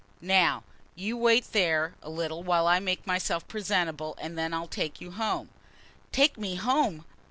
"Now, you wait there a little while I make myself presentable and I'll take you home." "Take me home?"